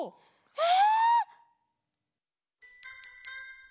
え！